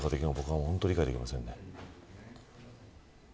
僕は本当に理解できませんね。